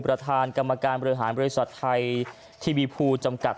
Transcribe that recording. ประธานกรรมการบริหารบริษัทไทยทีวีภูจำกัด